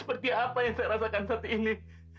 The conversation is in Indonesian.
seperti apa yang saya rasakan saat ini